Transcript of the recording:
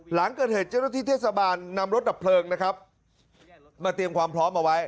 หลังเกิดเหตุเจ้าหน้าที่เทศบาลนำรถดับเพลิงนะครับมาเตรียมความพร้อมเอาไว้